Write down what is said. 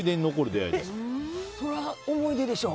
そら、思い出でしょう。